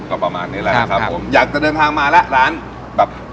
ก็ประมาณนี้แหละครับผมอยากจะเดินทางมาแล้วร้านแบบ